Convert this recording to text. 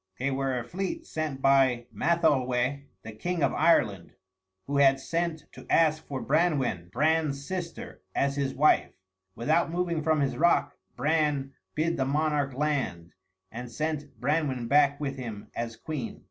They were a fleet sent by Matholweh, the king of Ireland, who had sent to ask for Branwen, Bran's sister, as his wife. Without moving from his rock Bran bid the monarch land, and sent Branwen back with him as queen.